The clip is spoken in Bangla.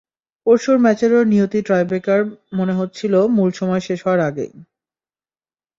পরশুর ম্যাচেরও নিয়তি টাইব্রেকার মনে হচ্ছিল মূল সময় শেষ হওয়ার আগেই।